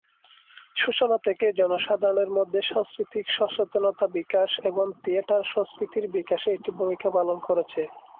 সূচনা থেকে জনসাধারণের মধ্যে সাংস্কৃতিক সচেতনতা বিকাশ এবং থিয়েটার সংস্কৃতির বিকাশে এটি ভূমিকা পালন করছে।